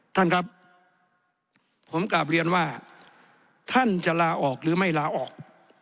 ท่านครับผมกลับเรียนว่าท่านจะลาออกหรือไม่ลาออก